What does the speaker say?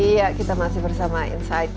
iya kita masih bersama insight